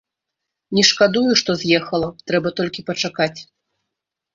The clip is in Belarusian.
Не шкадую, што з'ехала, трэба толькі пачакаць.